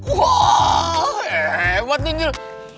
wah hebat tuh angel